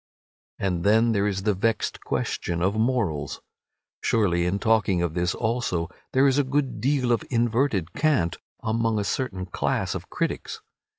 And then there is the vexed question of morals. Surely in talking of this also there is a good deal of inverted cant among a certain class of critics.